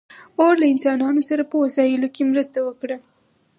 اور له انسانانو سره په وسایلو کې مرسته وکړه.